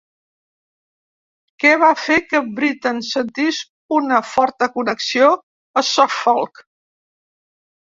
Què va fer que Britten sentís una forta connexió a Suffolk?